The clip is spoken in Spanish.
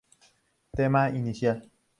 Tema inicial